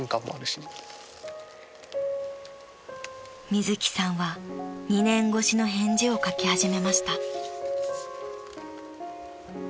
［みずきさんは２年越しの返事を書き始めました］